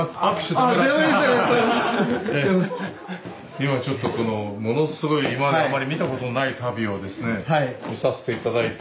今ちょっとこのものすごい今まであまり見たことのない足袋を見させて頂いて。